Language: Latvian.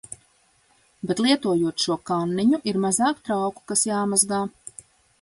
Bet lietojot šo kanniņu ir mazāk trauku, kas jāmazgā.